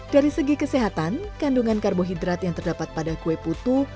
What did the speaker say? dari segi kesehatan kandungan karbohidrat yang terdapat pada kue putu